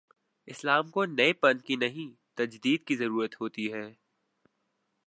اسلام کو نئے پن کی نہیں، تجدید کی ضرورت ہو تی ہے۔